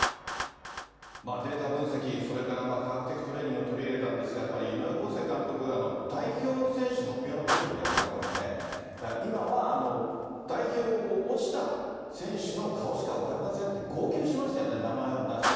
データ分析、それから科学的トレーニングを取り入れたんですが、やっぱり井上康生監督が代表選手発表のときに、高岡さんね、今は、代表を落ちた選手の顔しか浮かびませんって、号泣しましたよね、名前を出して。